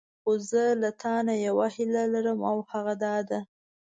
خو زه له تانه یوه هیله لرم او هغه دا ده.